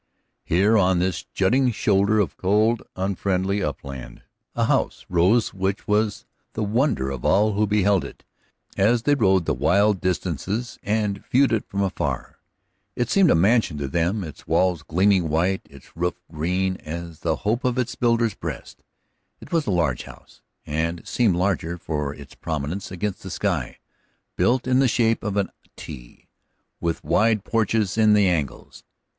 Here on this jutting shoulder of the cold, unfriendly upland, a house rose which was the wonder of all who beheld it as they rode the wild distances and viewed it from afar. It seemed a mansion to them, its walls gleaming white, its roof green as the hope in its builder's breast. It was a large house, and seemed larger for its prominence against the sky, built in the shape of a T, with wide porches in the angles.